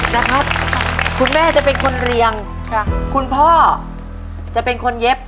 นะครับคุณแม่จะเป็นคนเรียงค่ะคุณพ่อจะเป็นคนเย็บ